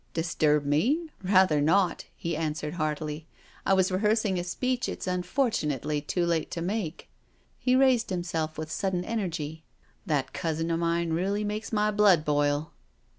"Disturb me? Rather not I" he answered heartily. " I was rehearsing a speech it's unfortunately too late to make." He raised himself with sudden energy. " That cousin of mine really makes my blood boil.